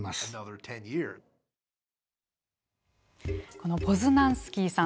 このポズナンスキーさん